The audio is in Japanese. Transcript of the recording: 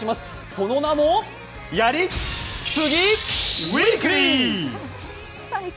その名もやりすぎウィークリー。